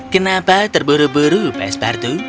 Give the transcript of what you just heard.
kenapa terburu buru pespartu